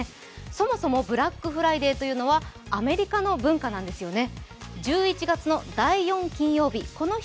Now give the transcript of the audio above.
そもそもブラックフライデーというのはアメリカの文化なんですよね。